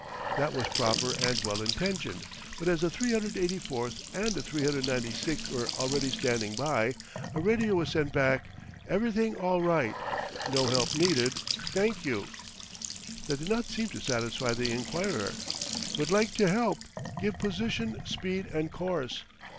That was proper and well intentioned, but as the 384 and the 396 were already standing by, a radio was sent back: EVERYTHING ALL RIGHT NO HELP NEEDED THANK YOU. That did not seem to satisfy the inquirer. WOULD LIKE TO HELP GIVE POSITION, SPEED, AND COURSE.